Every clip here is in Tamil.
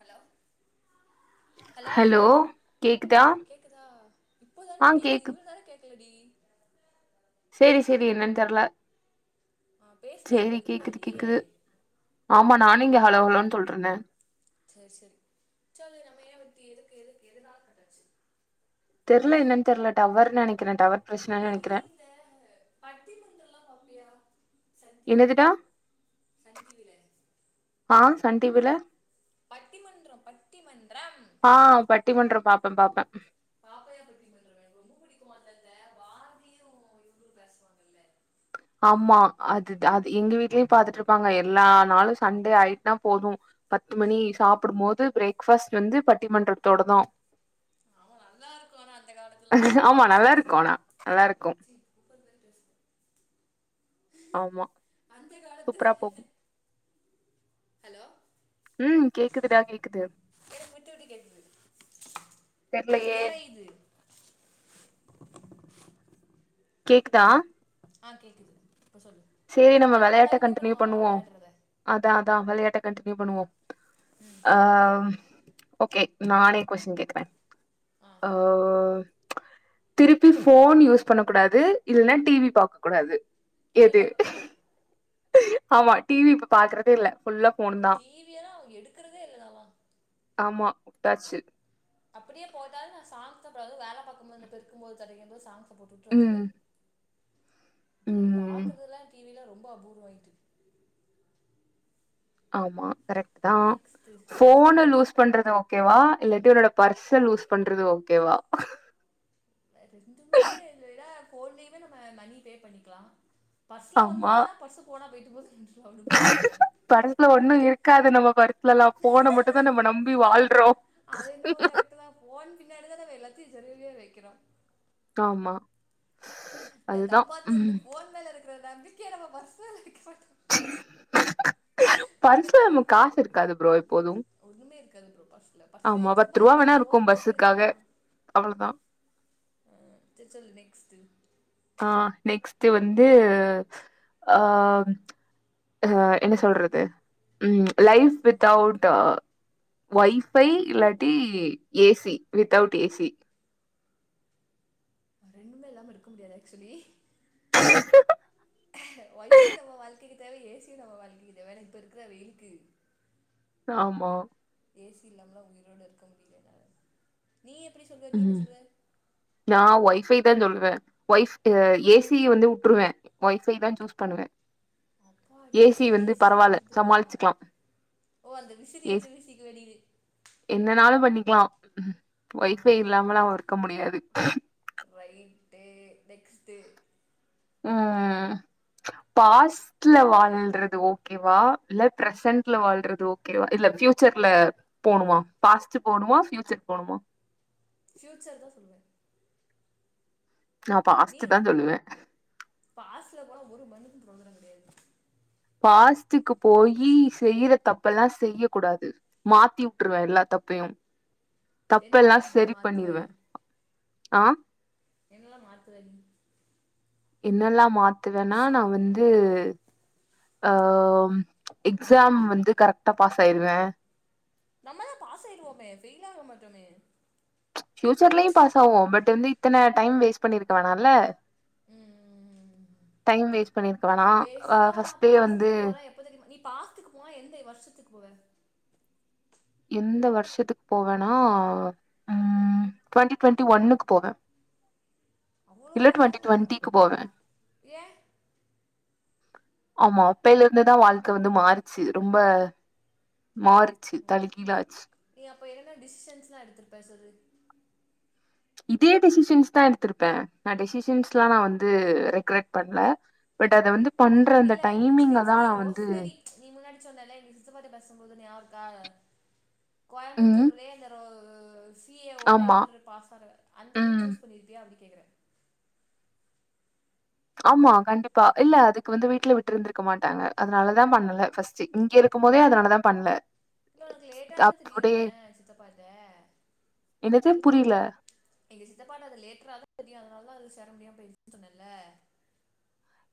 ஹலோ ஹலோ கேக்குதா கேக்குதா இப்போதாண்டி கேக்குது இவ்ளோ நேரோ கேக் கலடி செரி செரி என்னன்னு தெர்ல ஆ பேசுனியா அப்ப செரி இதுக்கு கேக்குது முன்னாடி கேக்குது ஆமா நானு இங்க ஹலோ ஹலோன்னு சொல்ட்ருந்தே சரி சரி சொல்லு நம்ம ஏன் விட்டு எதுக்கு எதுக்கு எதுனால கட்டாச்சு தெர்ல என்னனு தெர்ல டவர்னு நெனைக்குறே டவர் பிரச்சனன்னு நெனக்குறே [unintelligible] பட்டிமன்றோல்லா பாப்பியா சன் டி வில என்னதுடா சன் டி வில ஆ சன் டி வில பட்டிமன்றம் பட்டிமன்றம் ஆ பட்டிமன்றம் பாப்பே பாப்பே பாப்பையா பட்டி மன்றம் எனக்கு ரொம்ப பிடிக்கும் அந்தந்த பாரதியு இவரு பேசுவாங்கல்ல ஆமா அதா அது எங்க வீட்லயு பாத்துட்ருப்பாங்க எல்லா நாளு சண்டே ஆயிட்டுனா போது பத்து மணி சாப்டும் போது பிரேக் ஃபாஸ்ட் வந்து பட்டிமன்றத்தோடதோ அவ நல்லாருக்கோனு அந்த காலத்துலல்லா ஆமா நல்லா இருக்கு ஆனா நல்லா இருக்கு [unintelligible] ஆமா அந்த காலத்து சூப்பரா போ ஹலோ ம் கேக்குதுடா கேக்குது எனக்கு விட்டு விட்டு கேக்குது தெர்லயே எரையுது கேக்குதா ஆ கேக்குது இப்ப சொல்லு ஆ நம்ம கண்டினியூ பண்ணுவோ வா வெளாடுறத அதா அதா விளையாட்ட கண்டினியூ பண்ணுவோ ம் ஆம் ஓகே நானே கொஸ்டின் கேக்குறே ஆ அ திருப்பி ஃபோன் யூஸ் பண்ண கூடாது இல்லனா டி வி பாக்க கூடாது டி வி எது பாக்க கூடாது ஆமா டி வி இப்ப பாக்குறதே இல்ல ஃபுல்லா ஃபோன் ம் தா டி வியல்லா அவங்க எடுக்கறதே இல்லதவா ஆமா உட்டாச்சு அப்படியே போட்டாலு நா சாங்ஸ் [unintelligible] அ போட்டுட்டு ம் வந்துருவே மத்தபடி ம் பாக்குறதுல்லா டி வில ரொம்ப அபூர்வோ இது ஆமா கரெக்ட் தா ஃபோனு லூஸ் பண்றது ஓகேவா இல்லாட்டி உன்னோட பர்ஸ லூஸ் பண்றது ஓகேவா ரெண்டுமே [unintelligible] ஃபோன்லயுமே நம்ம மணி பே பண்ணிக்கலா பர்ஸ்ல ஒன்னும் ஆமா இல்லனா பர்ஸ் போனா போயிட்டு போது [unintelligible] பர்ஸ்ல ஒண்ணு இருக்காது நம்ம பர்ஸ்லலா ஃபோன மட்டும்தா நம்ம நம்பி வாழ்றோ அது என்னவோ கரெக்ட்டுதா ஃபோன் பின்னாடிதா நம்ம எல்லாத்தையு சொருவியே வக்கிறோ ஆமா இந்த அதுதா தம்மாத்துன்டு ம் ஃபோன் மேல இருக்கிற நம்பிக்க நம்ம பர்ஸ் மேல [unintelligible] அந்த பர்ஸ்ல கடை நம்ம காசு இருக்காது ப்ரோ எப்போதும் ஒண்ணுமே இருக்காது ப்ரோ பர்ஸ்ல பர்ஸே சும்மா இருக்கு சோக்கு தே எடுத்துட்டு வருவோ அவ்வளோதா அ த சொல்லு நெக்ஸ்ட் ஆ நெக்ஸ்ட்டு வந்து ஆ அ என்ன சொல்றது ம் எதையோ லைஃப் சொல்லு வித் அவுட் ஒய் ஃபை இல்லாட்டி A C without A C ரெண்டுமே இல்லாம இருக்க முடியாது ஆக்சுவலி ஒய் ஃபையு நம்ம வாழ்க்கைக்கு தேவ ஏ சியும் நம்ம வாழ்க்கைக்கு தேவ ஏனா இப்ப இருக்கிற வெயிலுக்கு ஆமா ஏ சி இல்லாமலா உயிரோட இருக்க முடியல என்னால நீ எப்டி சொல்லுவ நீ என்ன சொல்லுவ நா ஒய் ஃபை தா சொல்லுவே ஒய்ஃப் ஏ சிய வந்து உட்டுருவே ஒய் ஃபைதா சூஸ் பண்ணுவே அப்பாடி ஏ சி பரவாயில்ல இல்லாம இருந்துருவியா சமாளிச்சுக்கலாம் ஓ அந்த விசிறிய வச்சு வீசிக்குவ வேண்டிது என்னனாலு பண்ணிக்கலா ஒய் ஃபை ஆஹா இல்லாமல்லா இருக்க முடியாது ரைட்டு நெக்ஸ்ட்டு ம் பாஸ்ட்ல வாழ்றது ஓக் கேவா இல்ல பிரசன்ட்ல வாழ்றது ஓகேவா இல்ல பியூச்சர்ல போணுமா பாஸ்ட்டு போணுமா ஃபியூச்சர் போணுமா ஃப்யூச்சர் தா சொல்லுவ நா பாஸ்ட்டு தா சொல்லுவே பாஸ்ட்டுல போனா ஒரு மண்ணுக்கு ப்ரோஜனம் கெடயாது பாஸ்டுக்கு போயி செய்யிற தப்பெல்லா செய்ய கூடாது மாத்தி உட்டுருவே எல்லா தப்பையும் என்னென்ன தப்பெல்லா இது செரி மாத்துவ பண்ணிருவே ஆம் என்னெல்லா மாத்துவ நீ என்னெல்லா மாத்துவேன்னா நா வந்து ஆ எக்ஸாம் வந்து கரெக்டா பாஸ் ஆயிருவே நம்ம தா பாஸ் ஆயிடுவோமே ஃபெயில் ஆவ மாட்டோமே ஃபியூச்சர்லயு பாஸ் ஆவோ பட் வந்து இத்தன டைம் வேஸ்ட் பண்ணிருக்க வேனால்ல ம் டைம் வேஸ்ட் பண்ணிருக்க வோனா அ ஃபஸ்ட் டே வந்து என்ன தெரியமா நீ பாஸ்டுக்கு போன எந்த வருஷத்துக்கு போவ எந்த வருஷத்துக்கு போவேன்னா ட்வெண்ட்டி ட்வெண்ட்டி ஒன்னுக்கு போவே அவ்ளோ இல்ல ட்வெண்ட்டி டுவெண்ட்டிக்கு போவே ஏ ஆமா அப்பையில இருந்துதா வாழ்க்க வந்து மாறிச்சு ரொம்ப மாற் றிச்சி தல கீழாச்சி நீ அப்ப என்னென்ன டிசிஷன்ஸ்ல்லா எடுத்திருப்ப சொல்லு இதே டெசிஷன்ஸ் தா எடுத்திருப்பே நா டெசிஷன்ஸ் எல்லா நா வந்து ரெக்ரெட் பண்ணல பட் அத வந்து பண்ற அந்த இல்ல இட்ஸ் டைமிங்க மீன்ஸ் தா நீ வந்து ரோஸ்மேரி நீ முன்னாடி சொன்னல்லா எங்க சித்தப்பா கிட்ட பேசும்போது ஞாபக இருக்கா ம். கோயம்புத்தூர்லேயே அந்த ரோ சி ஏ ஓட ஆமா. இன்டரு பாஸ் ஆகுர அந்த இது ம். சூஸ் பண்ணியிருப்பையா அப்படி கேக்குறே ஆமா கண்டிப்பா இல்ல அதுக்கு வந்து வீட்டுல விட்டு இருந்திருக்க மாட்டாங்க அதனால தா பண்ணல பர்ஸ்ட் இங்க இருக்கு போதே அதனால தா பண்ணல இல்ல உனக்கு லேட்டாதன அப்படியே தெரியுன சித்தப்பாட்ட என்னது? புரியல. எங்க சித்தப்பாட்ட அத லேட்டறரா தா தெரியு அதனாலதா அது ஷேர முடியாம போயிடுச்சுன்னு சொன்னேல்ல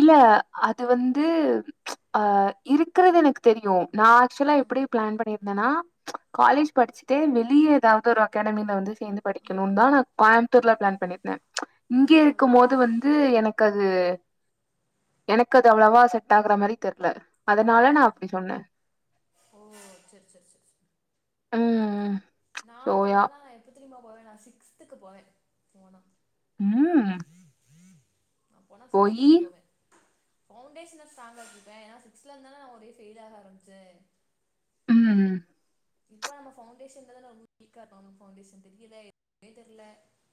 இல்ல அது வந்து ம்ச் ஆ இருக்கிறது எனக்கு தெரியு நா ஆக்சுவலா எப்படி பிளன் பண்ணி என்னனா ம்ச் காலேஜ் படிச்சிடே வெளிய ஏதாவது ஒரு அக்கடாமியில வந்து சேந்து படிக்கணு தா நா கோயம்புத்தூர்ல ப்ளன் பண்ணிருந்தே ம்ச் ஆ இங்கே இருக்கு போது வந்து எனக் கது எனக்கு அது அவ்வளவா செட் ஆகுற மாரி தெர்ல ஆ அதனால நான் அப்படி சொன்னேன். ஓ சரி சரி சரி சரி உம் நா போனா எப்பத் தெரியுமா போவே நா சிக்ஸ்த்துக்கு போவே போனா உம் நா போனா சிக்ஸ்த்துக்கு போவே ஃவுண்டேஷன ஸ்ட்ராங்காக்கிப்பே ஏனா சிகஸ்த்ல இருந்துதான நா ஒரே ஃப்யில்லாக ஆரமிச்சே உம் இப்ப நம்ம பவுண்டேஷன்ல தன ரொம்போ வீக்கா இருக்கோ பவுண்டேஷன் தெரியல எதுமே தெரில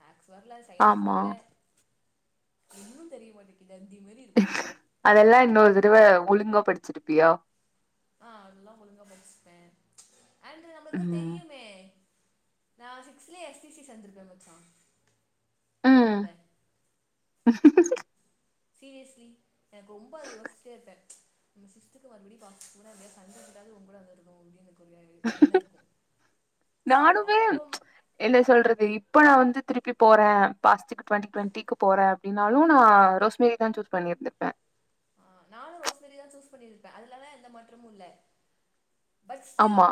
மேக்ஸ் வரல சயின்ஸ் ஆமா வரல ஒன்னு தெரிய மாட்டேக்குது தத்தி மாரி இருக்கோ அதெல்லா இன்னொரு தடவ ஒழுங்கா படிச்சிருப்பியா ஆ அதெல்லா ஒழுங்கா படிச்சுப்பே ம்ச் அண்டு நம்மளுக்குதா ம் தெரியுமே நா சிக்ஸ்துலேயே எஸ் டி சி சேந்திருப்பே மச்சா உன் கூட ஹ [unintelligible] சீரியஸ்லி எனக்கு ரொம்ப அத யோசிட்டே இருப்பே ம்ச் நம்ம சிக்ஸ்துக்கு மறுபடியு [unintelligible] உன் கூட சண்ட போட்டாவது ஊன் கூட வந்துருப்பே உன் டீம்மு ஒரு என்ன இருக்கு நானுமே அப்ப என்ன சொல்றது இப்ப நா வந்து திருப்பி போறே பாஸ்த் டுவென்டி டுவெண்டிக்கு போற அப்படின்னாலு நா ரோஸ்மேரி தா சூஸ் பண்ணிருந்துருப்பே ஆ நானு ரோஷ்மெரிதா சூஸ் பண்ணியிருப்பே அதுலெல்லா எந்த மாற்றமு இல்ல பட் ஸ்டில் ஆமா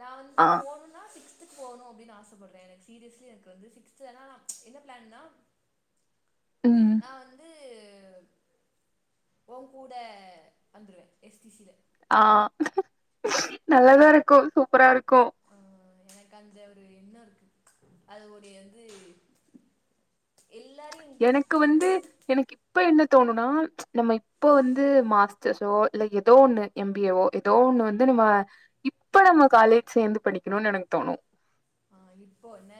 நா வந்து ஆ போணுனா சிக்ஸ் சிக்ஸ்த்து போணுனு அப்டின்னு ஆசைப்படுறே எனக்கு சீரியஸ்லி எனக்கு வந்து சிக்ஸ்த்தான என்ன பிளான்னா ம் நா வந்து உ கூட வந்துருவே எஸ் டி சில ஆ நல்லாதா இருக்கு சூப்பரா இருக்கு ஆ எனக்கு அந்த ஒரு என்னோ இருக்கு அது ஒருயது எல்லாரையு எனக்கு வந்து கொண்டு எனக்கு இப்ப என்ன தோணுனா ம்ச் நம்ம இப்ப வந்து மாஸ்டர்ரோ இல்ல ஏதோ ஒண்ணு எம் பி ஏ வோ ஏதோ ஒண்ணு வந்து நம்ம இப்ப நம்ம காலேஜ் சேர்ந்து படிக்கணுண்ணு எனக்கு தோணு ஆ இப்போ என்ன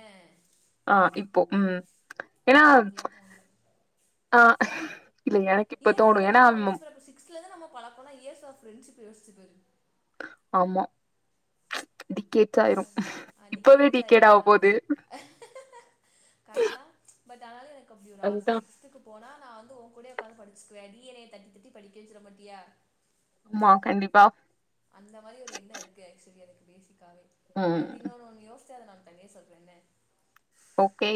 ஆ இப்போ உம் ஏனா எனக்கு அப்படிலாம் தோணல ஆ இல்ல எனக்கு இப்ப ஏ தோணு எனக்கு ஏன்னா நீ ஆமா நடிச்சுறப்ப சிக்ஸ்த்லருந்து நம்ம பழக்கொல இர்ஸ் ஆப் ஃப்ரெண்ட்சிப் யோசிச்சு பாரு ஆமா இதுக்கே அது அடிக்கேட்ஸ் ஆயிடு அதா போது கரெட்தா பட் ஆனாலு எனக்கு அப்டி ஒரு ஆசை அதுதா சிக்ஸ்த் போனா நா வந்து ஒ கூட உக்காந்து படிச்சிக்குவே நீ என்ன தட்டி தட்டி படிக்க வெக்கிற பாத்தியா ஆமா கண்டிப்பா அந்த மாரி ஒரு எண்ணொ இருக்கு அக்சுவலி அதுக்கு பேசிக்காவே ம் அண்ட் இன்னொன்னு ஒன்னு யோஸ் டு அத நா தனியா சொல்றேன்ன ஓகே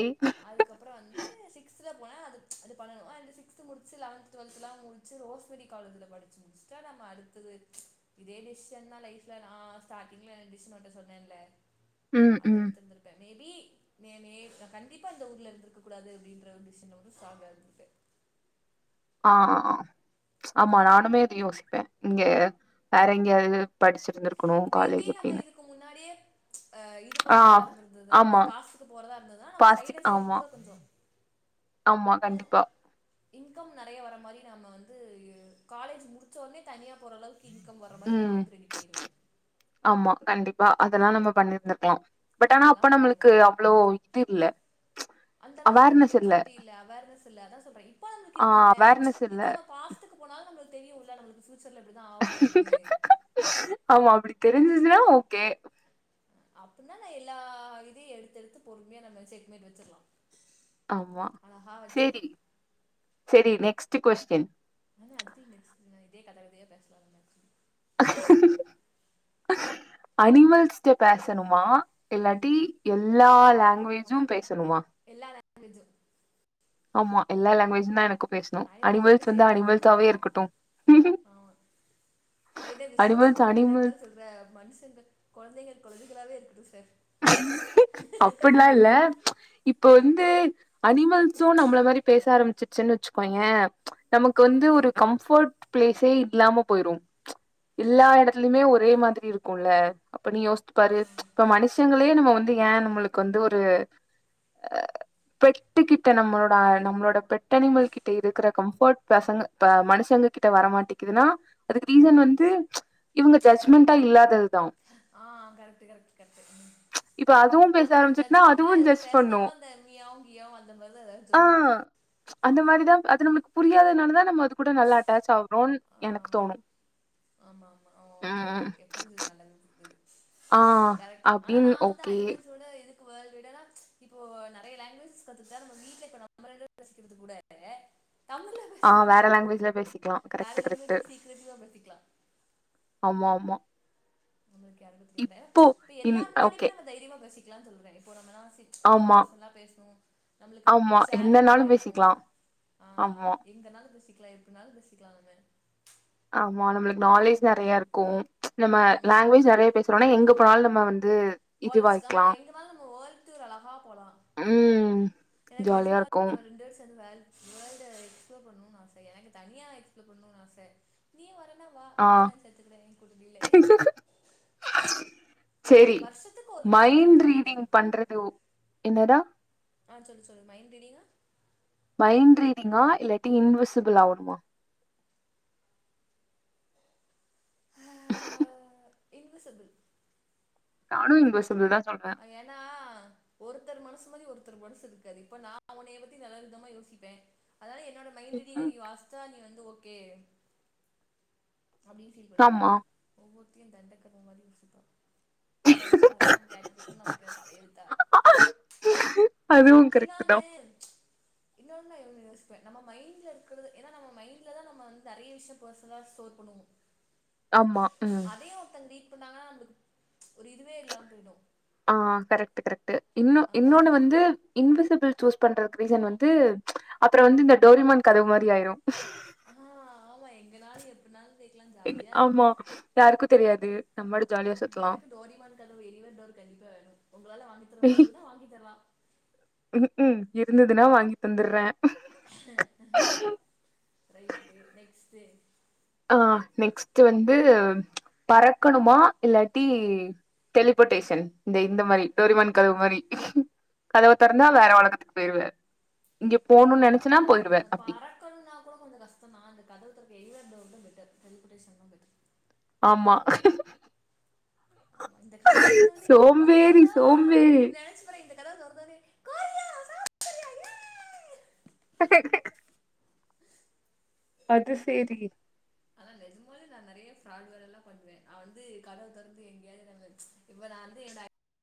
அதுக்கப்றோ வந்து சிக்ஸ்த்ல போனா அது பண்ணணுமா இல்ல சிக்ஸ்த்து முடிச்சு லெவல்த் டு்வேல்த்தலா முடிச் ரோஸ்வெரி காலேஜ்ல படிச்சு முடிச்சுட்டா நம்ம அடுத்து இதே டிசிசன் தா லைப்ல நா ஸ்டாட்டிங்ல டிசிசன் ஒன்ட்ட சொன்னேன்ல ம் அது ம் எடுத்தந்து ப்ப மேபி மே மே நா கண்டிப்பா இந்த ஊர்ல இருந்துருக்கக்கூடாது அப்டின்ற ஒரு டிசிஷன்ல வந்து ஸ்ட்ராங்காக இருந்திருப்பே ஆ ஆமா நானுமே அது யோசிப்பே இங்க வேற எங்கயாவது படிச்சு மேபி நம்ம இதுக்கு முன்னாடியே அ இது ஆ பண்றதா இருந்திருந்தது ஆமா பாசி போறதா இருந்ததா நம்ம சைடு பாஸ்டிக் எஃபெக்ட் ஆமா கூட கொஞ்சொ ஆமா கண்டிப்பா இன்கம் நறைய வர மாரி நம்ம வந்து காலேஜ் முடிச்ச ஒன்னே தனியா போற அளவுக் இன்கம் வர மாரி நா ம் வந்து ரெடி பண்ணிடுவே ஆமா கண்டிப்பா அதெல்லா நம்ம பண்ணிருந்திருக்கலா நா பட் ஆனா அதெல்லா அப்ப நம்ளுக்கு பண்ணிருந்துக்கலா அவ்ளோ இது இல்ல அந்த அளவுக்கு நமக்கு அவேர்னஸ் இல்ல மெச்சூரிட்டி இல்ல அவேர்னஸ் இல்ல அதா சொல்ற இப்ப நமக்கு ஆ இருக்குல்ல அவேர்னஸ் இப்ப இல்ல நம்ம காச க்கு போனாலு நம்ளுக்கு தெரியுல நம்பளுக்கு ஃபியூச்சர்ல இப்டிதா ஆக போகுதுன்னு ஆமா அப்டி தெரிஞ்சதுனா ஓகே அப்டின்னா நா எல்லா இதையு எடுத்து எடுத்து பொறுமையா நம்ம செக்மெட் வெச்சர்லா ஆமா செரி செரி நெக்ஸ்ட் கொஸ்டின் ஆனா அதுக்குள்ள நெக்ஸ்ட் இதே கத கதயா பேசலால நெக்ஸ்ட் ஆ சொல் சொல்லுங்க அனிமல்ஸ்ட்ட பேசணுமா இல்லாட்டி எல்லா லேங்க்வேஜு பேசணுமா எல்லா லேங்க்வேஜு ஆமா எல்ல லாங்குவேஜ் தா எனக்கு பேசு ஐமத்த பேசி என்ன ப்ரோஜனோ இருக்கு ஆமா நேத்தே அனிமல்ஸ் விசுவாசப்பட அனிமல் டைலாக்குலா சொல்ற மனுஷங்க கொழந்தைங்க கொழந்தைகளாவே இருக்கட்டு சார் அப்பிட்லா இல்ல இப்ப வந்து அனிமல்ஸு நம்மள மாரி பேச ஆரம்பிச்சிச்சுன் வெச்சுகோய நமக்கு வந்து ஒரு கம்ஃபோர்ட் பிளேஸே இல்லாம போயிரு எல்லா எடத்துலயுமே ஒரே மாதிரி இருக்குல்ல அப்ப நீ யோஸ்சி ஆ பாரு இப்ப மனுஷ கங்களே நம்ம வந்து ஏ நம்மளுக்கு வந்து ஒரு அ பெட்டு கிட்ட நம்மளோட அ நம்மளோட பெட் அனிமல் கிட்ட இருக்கிற கம்ஃபோர்ட் பசங்க இப்ப மனுஷங்க கிட்ட வரமாட்டேக்குதுனா அதுக்கு ரீசன் வந்து இவுங்க ஜட்ஜ்மெண்ட்டா இல்லாததுதா ஆ கரெட்டு கரெக்ட் கரெக்ட்டு இப்ப அதுவு பேச அது இப்ப ஆரம்பிச்சுட்டுனா ஜட்மெண்டெல்லா அதுவு ஏதாவது ஜட்ஜ் பேசனா பண்ணு கூட அந்த மியாவ் கியாவ் அந்த மாரிதா எதாவது ஆ சொல்லு அந்த மாரிதா ம் அது நமக்கு புரியாதத்னால தா நம்ம அது கூட நல்ல அட்டாச் ஆவ் ஆமா ஆமா மா ஆ ஓகே ஓகே ம் ஓகே புரிஞ்சுது நல்லாவே புரிஞ்சுது ஆ ஓகே கரெக்ட்டு ஆனா நா அப்டின்னு வந்து ஓகே அனிமல்ஸோட இது வேர்ல்டுவிடனா இப்போ நெறய லாங்குவேஜஸ் கத்துகிட்டா நம்ம வீட்ல இப்ப நம்ம ரெண்டு பேரு பேசிக்கிறது கூட தமிழு ஆ வேற லாங்வேஜ்ல பேசிக்லா கரெக்ட் வேற கரெக்ட் லாங்வேஜ்ல சீக்ரட்டிவா பேசிக்லா ஆமா ஆமா இப்போ இப்ப இன் எல்லார் முன்னாடியுமே ஓகே நம்ம தைரியமா பேசிக்லான் சொல்ற இப்போ நம்மலா சீக் நம்மளுக்கு ஆமா பர்சனலா பேஸ்னு நம்மளுக்கு ஆமா சாரிங் என்னனாலு நெறய இருக்கு பேசிக்கலா ஆ ஆமா எங்கனாலு பேசிக்லா எப்டினாலு பேசிக்லா நம்ம ஆமா நம்மளுக்கு நாலேஜ் யாருக்கும் நெறய புரியாது இருக்கு நம்ம ம் லாங்குவேஜ் நெறய பேச இன்னொன்னு எங்க போனாலு நம்ம வந்து போல்ஸ்த்தா இதுவாய்க்கலா எங்கநாளு நம்ம வேல்ட்டூர் அழகா போலா ம் எனக்கு ஜாலியா நிஜமாவே இருக்கு நம்ம ரெண்டு பேர் சேந்து வேல்ட் வேர்ல்ட எக்ஸ்பிளோர் பண்ணணுன் ஆச எனக்கு தனியா எக்ஸ்பிளோர் பண்ணுன் ஆச நீ வரன்னா வா ஆ உன்னையு நா சேத்துகிற என்கூட டீ லே சேரி வருஷத்துக்கு ஒரு ஒரு மைண்ட் இடத்துக்கு போயிட்டு ரீடிங் வரணு பண்றது உ என்னடா ஆ சொல்லு சொல்லு மைண்ட் ரீடீங்கா மைண்ட் ரீடிங்கா இல்லாட்டி இன்விசிபிள் ஆவனுமா ஹ இன்விசிபள் நானு இன்விசிபிள் தா சொல்ற ஏன்னா ஒருத்தர் மனுசு மாரி ஒருத்தர் மனுசு இருக்காது இப்ப நா உனைய பத்தி நல்ல விதமா யோசிப்ப அதனால என்னோட மைண்ட் ரீடிங்க ம் நீங்க வாஸ்ச்சா நீ வந்து ஓகே அப்டின் ஃபீல் பண்ணுவ ஆமா ஒவ்வொருத்தியு தண்டக்கர்ம மாரி யோசிப்போ அதெல்லா நம்ம கேட்டுட்டு இருக்கணு நம்மளுக்கு என்ன தலையெழுத்தா ஆ இன்னோனு இன்னொன்னு நா யோசிப்ப நம்ம மைண்ட்ல இருக்குறது ஏன்னா நம்ம மைண்ட்ல தா நம்ம வந்து நெறய விஷயோ ஃபர்ஸ்னலா ஸ்டோர் பண்ணுவோ ஆமா ம் அதையு ஒருத்தங்க ரீட் பண்ணாங்கனா நம்மளுக்கு ஒரு இதுவே இல்லாம போய்டு ஆ கரெக்ட்டு கரெக்ட்டு இன்னோ ஆஹ் இன்னொன்னு வந்து இன்விசிபிள் சூஸ் பண்றதுக்கு ரீசன் வந்து அப்றோ வந்து இந்த டோரிமான் கதவு மாரி ஆய்ரு ஆ ஆமா எங்க நாளு எப்டி நாளு ஆமா யாருக்கு தெரியாது நம்ம ம் எனக்கு டோரிமான் கதவு எலிவர் டோர் கண்டிப்பா வேணு உங்களால வாங்கி தர முடியுனா வாங்கி தரலா ம்க்கும் இருந்துதுன்னா வாங்கி தந்துர்ற ரைட்டு நெக்ஸ்ட்டு ஆ நெக்ஸ்ட் வந்து பறக்கணுமா இல்லாட்டி டெலிபட்டேஷன் இந்த இந்த மாரி டோரிமான் கதவு மாரி கதவ தொறந்தா வேற உலகத்துக்கு போயிருவ இங்க போணுன் நெனைச்சன்னா போயிருவ அப்டி க்கன்னா கூட கொஞ்சோ கஷ்ட தா அந்த கதவ தொறக்க எலிவர் டோர்தா பெட்டர் டெலிப்பட்டேஷன் தா பெட்டர் ஐ ஆமா திங்க் ஆமா இந்த கதவ தொரத்தொன்னே ஓ மை சோம்பேறி காட் சோம்பேறி நனச்சு பாரே இந்த கதவ தொரந்தொன்னே கா அது சேரி ஆனா நெஜமாலே நா நறையா ஃப்ராட் வேல எல்லா பண்ணுவே ஆ வந்து கதவு தொற்ந்து எங்க்யாவ்து நா வந் இப்ப நா வந்து என்ட்